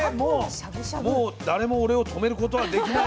もう誰も俺をとめることはできない。